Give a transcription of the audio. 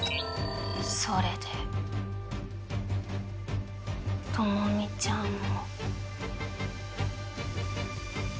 それで朋美ちゃんも。